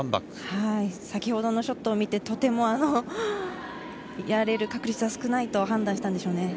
先ほどのショットを見て、とてもやれる確率は少ないと判断したのでしょう。